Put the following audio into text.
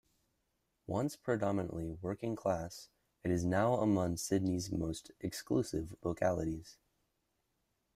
Once predominantly working-class, it is now among Sydney's most exclusive localities.